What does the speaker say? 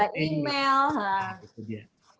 tidak bisa email